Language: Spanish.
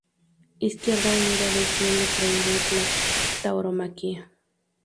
Izquierda Unida defiende prohibir la tauromaquia.